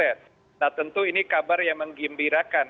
nah tentu ini kabar yang menggembirakan